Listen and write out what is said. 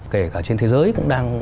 kể cả trên thế giới cũng đang